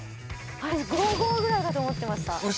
私５５ぐらいかと思ってました